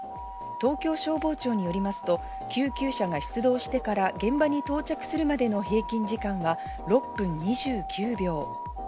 東京消防庁によりますと、救急車が出動してから現場に到着するまでの平均時間は６分２９秒。